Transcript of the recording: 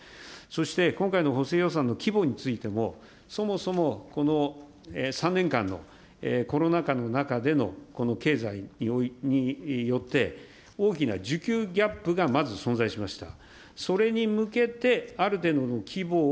そして今回の補正予算の規模についても、そもそもこの３年間のコロナ禍の中での経済によって、大きなじゅきゅうギャップがまず存在しました。